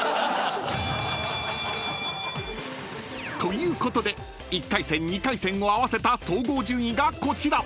［ということで１回戦２回戦を合わせた総合順位がこちら］